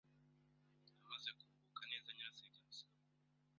amaze kuruhuka neza nyirasenge amusiga ku rugo